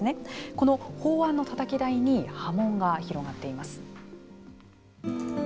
この法案のたたき台に波紋が広がっています。